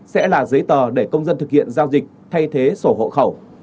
sẽ là giấy tờ để công dân thực hiện giao dịch thay thế sổ hộ khẩu